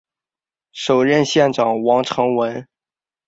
首任县长王成文。